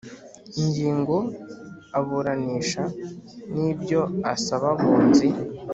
ingingo aburanisha n ibyo asaba abunzi